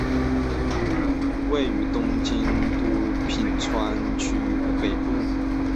位于东京都品川区北部。